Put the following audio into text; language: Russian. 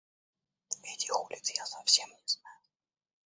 Этих улиц я совсем не знаю.